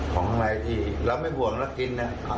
ของอะไรที่เราไม่กลัวต้องกินน่ะ